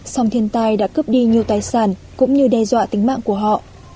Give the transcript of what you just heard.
sông thiên tai đã cướp đi nhiều tài sản cũng như đe dọa tính mạng của họ